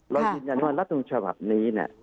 เรายินยันว่ารัฐศูนย์ฉบับนี้